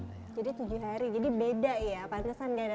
jadi tujuh hari jadi beda ya